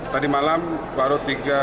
tadi malam baru tiga ratus empat belas